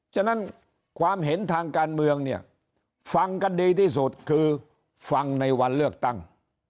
ฉะนั้นความเห็นทางการเมืองเนี่ยฟังกันดีที่สุดคือฟังในวันเลือกตั้ง